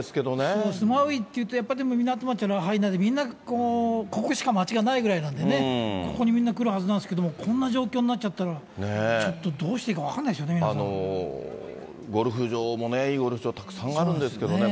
そうですね、マウイっていうと、やっぱり港町のラハイナで、みんなこう、ここしか街がないぐらいなんでね、ここにみんな来るはずなんですけれども、こんな状況になっちゃったら、ちょっと、どうしていいか分からなゴルフ場もね、いいゴルフ場、たくさんあるんですけどね。